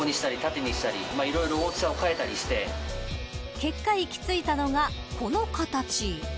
結果行き着いたのがこの形。